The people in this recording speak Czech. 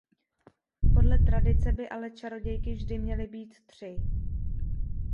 Podle tradice by ale čarodějky vždy měly být tři.